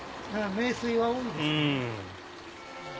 名水は多いですよ。